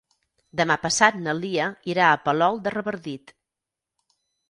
Demà passat na Lia irà a Palol de Revardit.